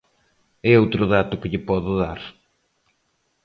É outro dato que lle podo dar.